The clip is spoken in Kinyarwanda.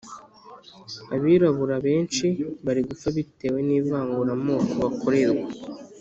Abirabura benshi bari gupfa bitewe n’ivangura moko bakorerwa